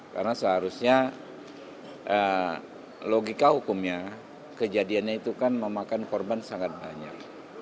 karena seharusnya logika hukumnya kejadiannya itu kan memakan korban sangat banyak